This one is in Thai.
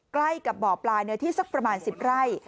ใกล้กับบ่อปลาเนื้อที่สักประมาณ๑๐ไร่